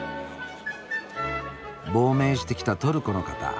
亡命してきたトルコの方。